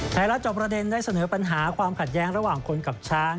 รับจอบประเด็นได้เสนอปัญหาความขัดแย้งระหว่างคนกับช้าง